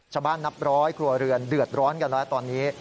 นับร้อยครัวเรือนเดือดร้อนกันแล้วตอนนี้